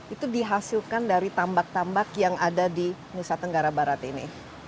itu dihasilkan dari tambak tambak yang ada di nusa tenggara barat ini